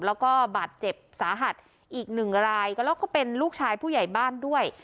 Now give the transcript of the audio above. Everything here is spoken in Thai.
แล้วก็บาดเจ็บสาหัสอีกหนึ่งรายก็แล้วก็เป็นลูกชายผู้ใหญ่บ้านด้วย